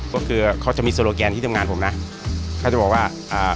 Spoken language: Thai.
ก็คือเขาจะมีโซโลแกนที่ทำงานผมนะเขาจะบอกว่าอ่า